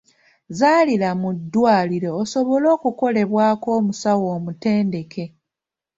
Zaalira mu ddwaliro osobole okukolebwako omusawo omutendeke.